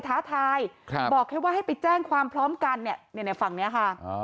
ท้าทายบอกแค่ว่าให้ไปแจ้งความพร้อมกันเนี่ยในฝั่งนี้ค่ะ